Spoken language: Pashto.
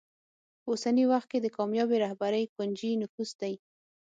په اوسني وخت کې د کامیابې رهبرۍ کونجي نفوذ دی.